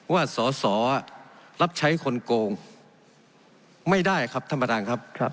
ว่าสอสอรับใช้คนโกงไม่ได้ครับท่านประธานครับ